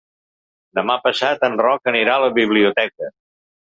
Demà passat en Roc anirà a la biblioteca.